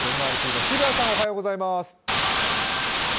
ＭＲＴの澁谷さん、おはようございます。